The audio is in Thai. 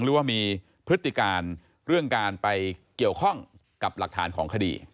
หรือว่ามีพฤติการเรื่องการไปเกี่ยวข้องกับหลักฐานของคดี